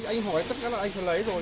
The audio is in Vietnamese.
anh hỏi tất cả là anh có lấy rồi